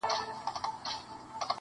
بس ور پاته دا یو نوم یو زوړ ټغر دی-